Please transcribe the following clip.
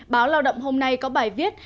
báo lào động hôm nay có bài viết